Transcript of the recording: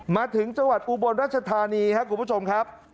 มาถึงจังหวัดอุบลรัชธานีครับคุณผู้ชมครับ